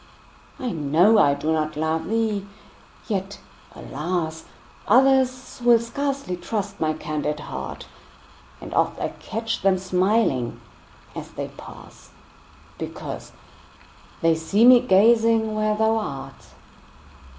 I know I do not love thee! yet, alas! Others will scarcely trust my candid heart; And oft I catch them smiling as they pass, Because they see me gazing where thou art.